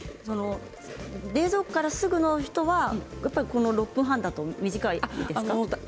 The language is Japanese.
冷蔵庫からすぐの人は６分半だと短いですか？